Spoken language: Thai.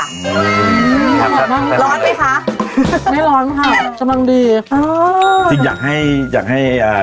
ร้อนไหมคะไม่ร้อนค่ะสมังดีอ้าวชิมอยากให้อยากให้อ่า